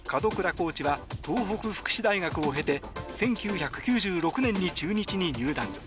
コーチは東北福祉大学を経て１９９６年に中日に入団。